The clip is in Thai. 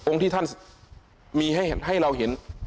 ที่ท่านมีให้เราเห็น